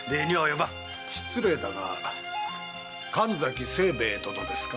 失礼だが神崎清兵衛殿ですか？